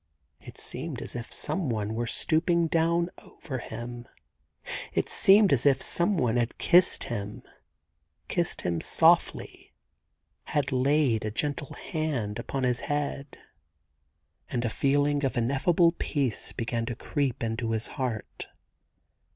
.' It seemed as if some one were stooping down over him, it seemed as if some one had kissed him, kissed him softly, had laid a gentle hand upon his head. And a feeling of inefiable peace began to creep into his heart.